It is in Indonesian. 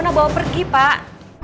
mona bawa pergi pak